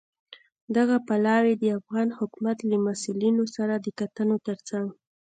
دغه پلاوی د افغان حکومت له مسوولینو سره د کتنو ترڅنګ